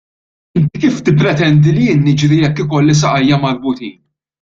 Inti kif tippretendi li jien niġri jekk ikolli saqajja marbutin?